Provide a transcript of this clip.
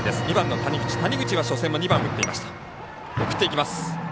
谷口は初戦も２番を打っていました。